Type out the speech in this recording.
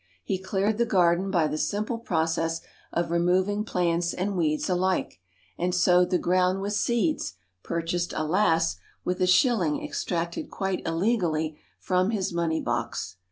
He cleared the garden by the simple process of removing plants and weeds alike, and sowed the ground with seeds, purchased alas ! with a shilling extracted quite illegally from his money box.